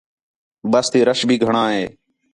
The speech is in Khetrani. بَس تی رَش بھی گھݨاں ہے